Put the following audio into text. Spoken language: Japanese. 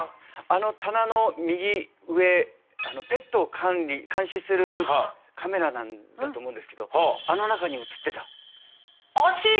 あの棚の右上あのペットを管理監視するカメラなんだと思うんですけどあの中にうつってた惜しい！